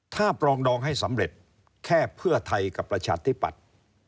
ถ้าปรองดองให้สำเร็จแค่เพื่อไทยกับประชาธิปัตย์